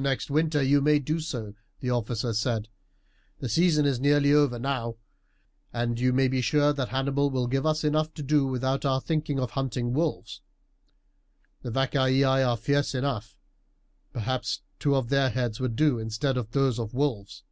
"Next winter you may do so," the officer said. "The season is nearly over now, and you may be sure that Hannibal will give us enough to do without our thinking of hunting wolves. The Vacaei are fierce enough. Perhaps two of their heads would do instead of those of wolves."